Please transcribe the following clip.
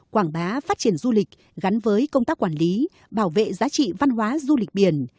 quảng bá phát triển du lịch gắn với công tác quản lý bảo vệ giá trị văn hóa du lịch biển